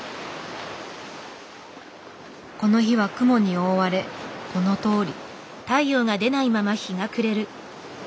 この日は雲に覆われこのとおり。